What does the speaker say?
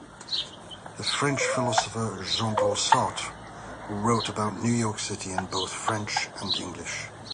French philosopher Jean-Paul Sartre wrote about New York City in both French and English.